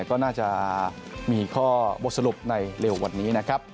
ก็น่าจะมีข้อบทสรุปในเร็ววันนี้นะครับ